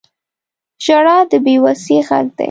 • ژړا د بې وسۍ غږ دی.